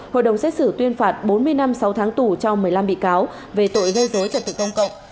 hội đồng xét xử tuyên phạt bốn mươi năm sáu tháng tù cho một mươi năm bị cáo về tội gây dối trật tự công cộng